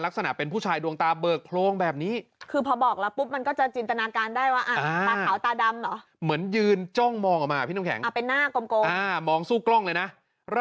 ลักษณะเป็นผู้ชายดวงตาเบิกโพรงแบบนี้คือพอบอกละปุ๊บมันก็จะจินตนาการได้ว่า